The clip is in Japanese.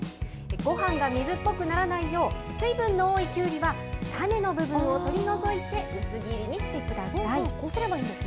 ごはんが水っぽくならないよう、水分の多いきゅうりは種の部分を取り除いて薄切りにしてください。